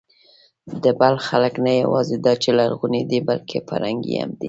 د بلخ خلک نه یواځې دا چې لرغوني دي، بلکې فرهنګي هم دي.